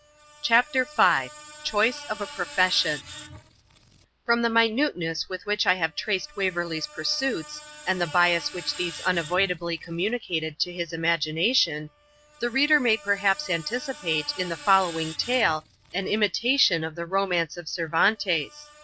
CHAPTER V CHOICE OF A PROFESSION From the minuteness with which I have traced Waverley's pursuits, and the bias which these unavoidably communicated to his imagination, the reader may perhaps anticipate, in the following tale, an imitation of the romance of Cervantes.